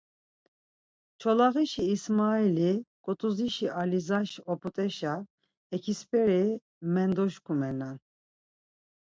Çolağişi İsmaili, Ǩut̆uzişi Alizaş oput̆eşa Ekipseri men-doşkumelnan.